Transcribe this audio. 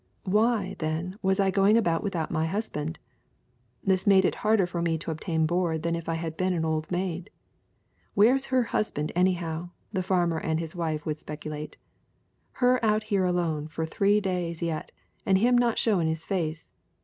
Why, then, was I going about without my husband? This made it harder for me to obtain board than if I had been an old maid. 'Where's her husband, any how?' the farmer and his wife would speculate. 'Her out here alone fur three days yet and him not showin* his face!